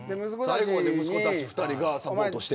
最後まで息子たち２人がサポートして。